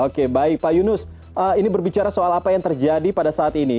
oke baik pak yunus ini berbicara soal apa yang terjadi pada saat ini